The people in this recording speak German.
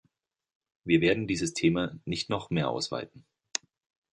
Wir werden dieses Thema nicht noch mehr ausweiten.